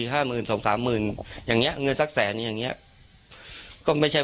ห้าหมื่นสองสามหมื่นอย่างเงี้เงินสักแสนอย่างเงี้ยก็ไม่ใช่